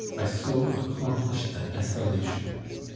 by so accomplished a desolation.